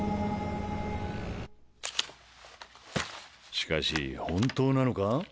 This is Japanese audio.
しかし本当なのか？